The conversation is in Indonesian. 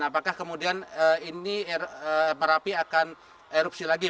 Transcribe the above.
apakah kemudian ini merapi akan erupsi lagi